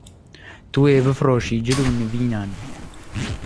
Tu yê bifroşî cil û nîvînan